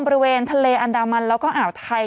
บริเวณทะเลอันดามันแล้วก็อ่าวไทย